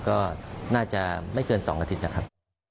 ก็น่าจะไม่เกิน๒อาทิตย์นะครับ